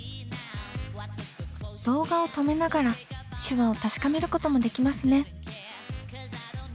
動画を止めながら手話を確かめることもできますね。